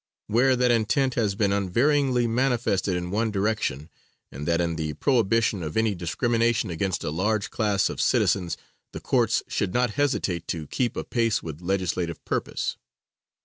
Where that intent has been unvaryingly manifested in one direction, and that in the prohibition of any discrimination against a large class of citizens, the courts should not hesitate to keep apace with legislative purpose.